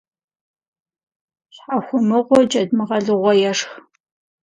Щхьэхуэмыгъуэ джэд мыгъэлыгъуэ ешх.